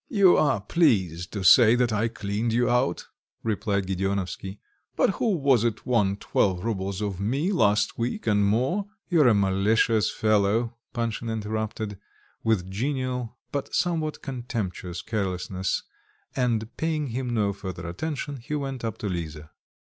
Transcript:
"You are pleased to say that I cleaned you out," replied Gedeonovsky; "but who was it won twelve roubles of me last week and more?"... "You're a malicious fellow," Panshin interrupted, with genial but somewhat contemptuous carelessness, and, paying him no further attention, he went up to Lisa.